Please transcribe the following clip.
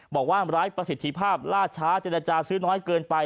บอกว่าไร้ประสิทธิภาพล่าช้าเจรจาซื้อน้อยเกินไป